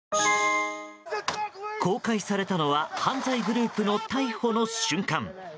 公開されたのは犯罪グループの逮捕の瞬間。